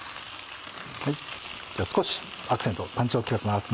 少しアクセントパンチを利かせます。